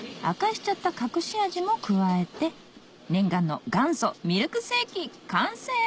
明かしちゃった隠し味も加えて念願の元祖ミルクセーキ完成！